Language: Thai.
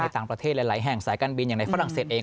ต่างประเทศหลายแห่งสายการบินอย่างในฝรั่งเศสเอง